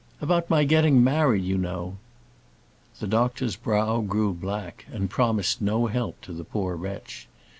"About my getting married, you know." The doctor's brow grew black, and promised no help to the poor wretch.